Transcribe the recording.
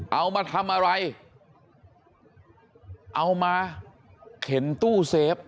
เอามาทำอะไรเอามาเข็นตู้เซฟ